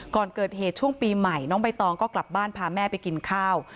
ก่อนเกิดเหตุช่วงปีใหม่น้องใบตองก็กลับบ้านพาแม่ไปกินข้าว